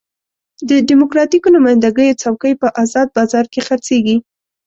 د ډیموکراتیکو نماینده ګیو څوکۍ په ازاد بازار کې خرڅېږي.